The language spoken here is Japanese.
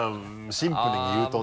シンプルに言うとね。